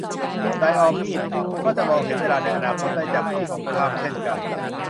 ไดออมีด ก็จะมองเห็นเวลาในอนาคตได้จากฝั่งตรงข้ามเช่นกัน